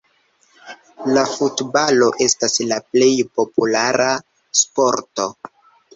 La futbalo estas la plej populara sporto.